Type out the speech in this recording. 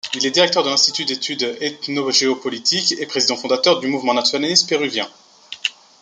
Il est directeur de l'Institut d'études ethnogéopolitiques et président fondateur du Mouvement nationaliste péruvien.